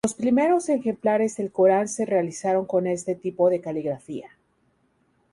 Los primeros ejemplares del Corán se realizaron con este tipo de caligrafía.